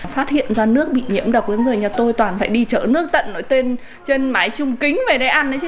phát hiện ra nước bị nhiễm đặc với người nhà tôi toàn phải đi chở nước tận nói tên trên máy chung kính về đây ăn đấy chứ